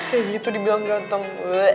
kayak gitu dibilang ganteng